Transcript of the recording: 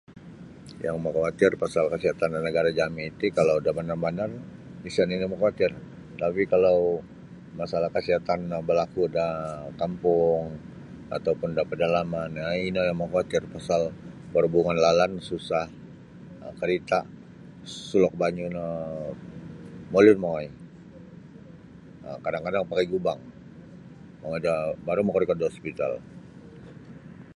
Yang makawatir pasal kasiatan da nagara' jami' ti kalau da bandar-bandar isa' nini' makawatir. Tapi kalau masalah kasiatan no balaku da kampung atau pun da padalaman ino yang makawatir pasal parhubungan lalan susah karita' sulok banyu' no molin mongoi um kadang-kadang pakai gubang mongoi do baru makarikot da hospital.